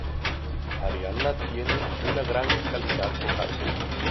Ariana tiene una gran calidad vocal.